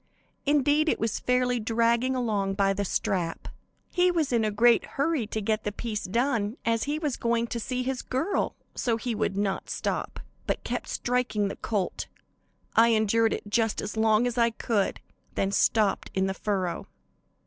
Indeed, it was fairly dragging along by the strap. He was in a great hurry to get the piece done, as he was going to see his girl; so would not stop, but kept striking the colt. I endured it just as long as I could, then stopped in the furrow.